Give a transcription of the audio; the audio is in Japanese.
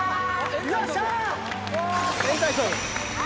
よっしゃ！